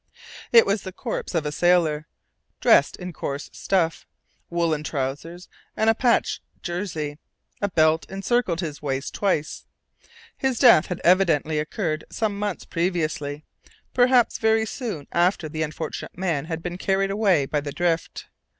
It was the corpse of a sailor, dressed in coarse stuff, woollen trousers and a patched jersey; a belt encircled his waist twice. His death had evidently occurred some months previously, probably very soon after the unfortunate man had been carried away by the drift.